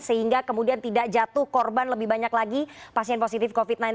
sehingga kemudian tidak jatuh korban lebih banyak lagi pasien positif covid sembilan belas